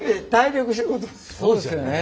そうですよね。